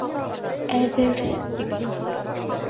Әҙер.